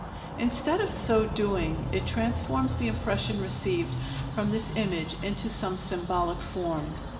Instead of so doing it transforms the impression received from this image into some symbolic form.